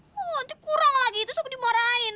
nanti kurang lagi terus aku dimarahin